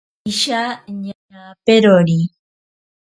Isha ñaperori.